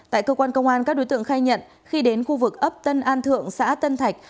tại cơ quan công an các đối tượng khai nhận khi đến khu vực ấp tân an thượng xã tân thạch